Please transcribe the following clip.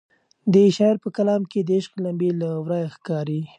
د شاعر په کلام کې د عشق لمبې له ورایه ښکاري.